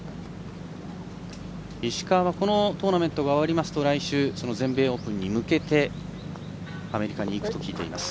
石川はこのトーナメントが終わると来週、全米オープンに向けてアメリカに行くと聞いています。